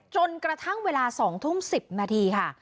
จนกระทั่งเวลา๒ทุ่ม๑๐นาทีค่ะ